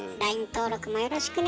登録もよろしくね。